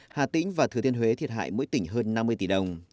hà tĩnh và thừa thiên huế thiệt hại mỗi tỉnh hơn năm mươi tỷ đồng